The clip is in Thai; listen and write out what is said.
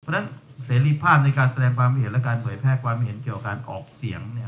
เพราะฉะนั้นเสรีภาพในการแสดงความเห็นและการเผยแพร่ความเห็นเกี่ยวกับการออกเสียง